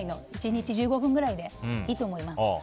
１日１５分ぐらいでいいと思います。